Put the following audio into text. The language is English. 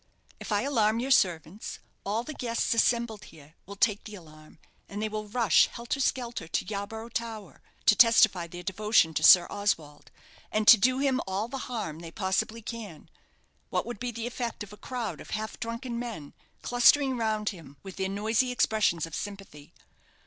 If I alarm your servants, all the guests assembled here will take the alarm; and they will rush helter skelter to Yarborough Tower, to testify their devotion to Sir Oswald, and to do him all the harm they possibly can. What would be the effect of a crowd of half drunken men, clustering round him, with their noisy expressions of sympathy?